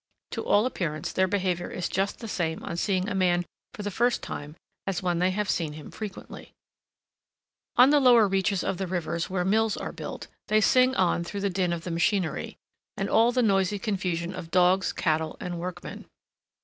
To all appearance their behavior is just the same on seeing a man for the first time, as when they have seen him frequently. [Illustration: THE OUZEL AT HOME.] On the lower reaches of the rivers where mills are built, they sing on through the din of the machinery, and all the noisy confusion of dogs, cattle, and workmen.